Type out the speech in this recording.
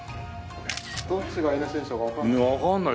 どっちが戌神将かわかんない。